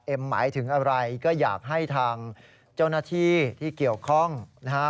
หมายถึงอะไรก็อยากให้ทางเจ้าหน้าที่ที่เกี่ยวข้องนะฮะ